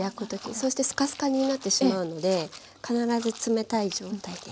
そしてスカスカになってしまうので必ず冷たい状態で。